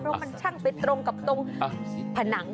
เพราะมันช่างไปตรงกับตรงผนัง